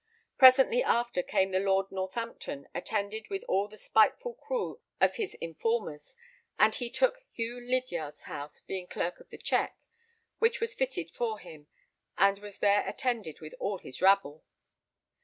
Presently after came the Lord Northampton attended with all the spiteful crew of his informers, and he took Hugh Lydiard's house, being Clerk of the Check, which was fitted for him, and was there attended with all his rabble.